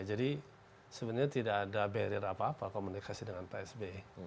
jadi sebenarnya tidak ada barrier apa apa komunikasi dengan pak s b